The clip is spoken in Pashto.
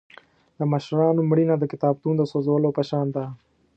د مشرانو مړینه د کتابتون د سوځولو په شان ده.